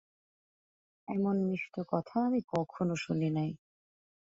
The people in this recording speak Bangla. এমন মিষ্ট কথা আমি কখনও শুনি নাই।